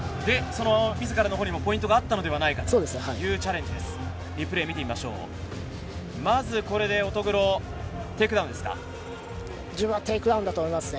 自らのほうにもポイントがあったのではというチャレンジですね。